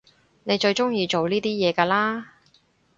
你最中意做呢啲嘢㗎啦？